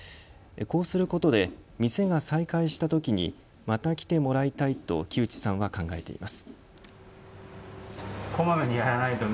こうすることで店が再開したときにまた来てもらいたいと木内さんは考えています。